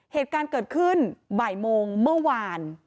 เหตุการณ์เกิดขึ้นบ่ายโมงเมื่อวาน